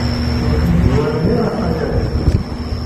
Ur kem-id-iwala ara Xali Ɛli.